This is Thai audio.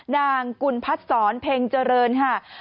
นางกุณภัทรศรเพ็งเจริญฮะ